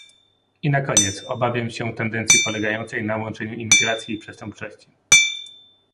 I na koniec, obawiam się tendencji polegającej na łączeniu imigracji i przestępczości